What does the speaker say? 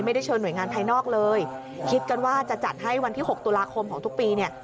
เชิญหน่วยงานภายนอกเลยคิดกันว่าจะจัดให้วันที่๖ตุลาคมของทุกปีเนี่ย